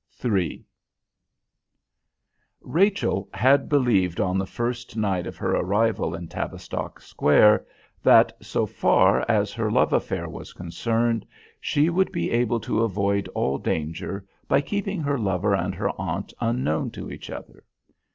III Rachel had believed on the first night of her arrival in Tavistock Square that, so far as her love affair was concerned, she would be able to avoid all danger by keeping her lover and her aunt unknown to each other.